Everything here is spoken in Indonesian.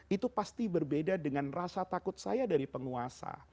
itu pasti berbeda dengan rasa takut saya dari penguasa